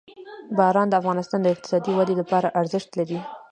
باران د افغانستان د اقتصادي ودې لپاره ارزښت لري.